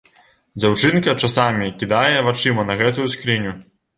Дзяўчынка часамі кідае вачыма на гэтую скрыню.